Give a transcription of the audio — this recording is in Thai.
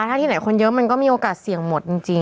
ถ้าที่ไหนคนเยอะมันก็มีโอกาสเสี่ยงหมดจริง